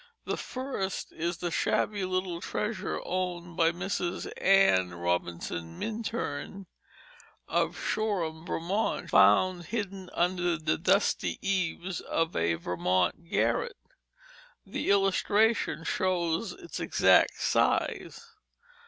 The first is the shabby little treasure owned by Mrs. Anne Robinson Minturn of Shoreham, Vermont, found hidden under the dusty eaves of a Vermont garret. The illustration shows its exact size.